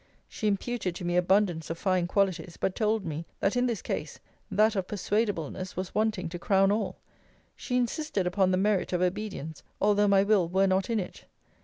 She imputed to me abundance of fine qualities; but told me, that, in this case, that of persuadableness was wanting to crown all. She insisted upon the merit of obedience, although my will were not in it.